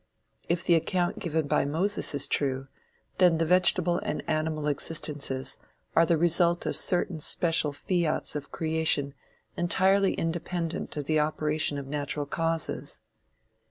If the account given by Moses is true, then the vegetable and animal existences are the result of certain special fiats of creation entirely independent of the operation of natural causes.